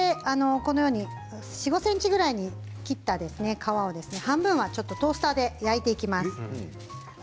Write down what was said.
４、５ｃｍぐらいに切った皮を半分はちょっとトースターで焼いていきます。